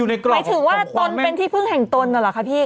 อยู่ในกรอบของความแม่หมายถึงว่าตนเป็นที่พึ่งแห่งตนอ่ะเหรอคะพี่